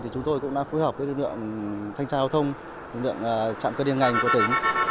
thì chúng tôi cũng đã phối hợp với lực lượng thanh tra giao thông lực lượng chạm cân điên ngành của tỉnh